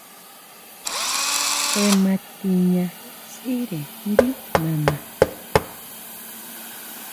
Je ma tiña sʼíre ndí nana.